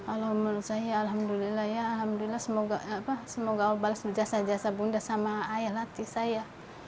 alhamdulillah semoga allah balas jasa jasa bunda dan ayah latih saya